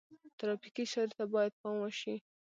ترافیکي اشارې ته باید پام وشي.